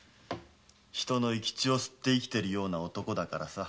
人の生き血を吸って生きてるような男だからさ。